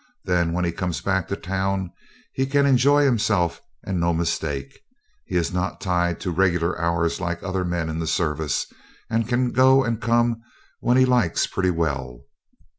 Then when he comes back to town he can enjoy himself and no mistake. He is not tied to regular hours like other men in the service, and can go and come when he likes pretty well.